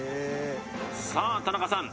さあ田中さん